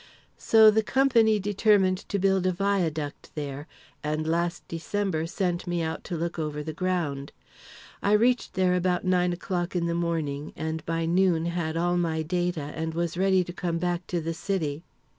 "So the company determined to build a viaduct there, and last December sent me out to look over the ground. I reached there about nine o'clock in the morning, and by noon had all my data and was ready to come back to the city.